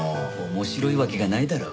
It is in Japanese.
面白いわけがないだろ